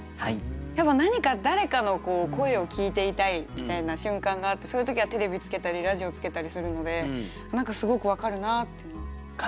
やっぱ何か誰かの声を聞いていたいみたいな瞬間があってそういう時はテレビつけたりラジオつけたりするので何かすごく分かるなと。